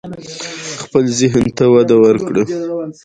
خپل ذهن ته وده ورکړئ.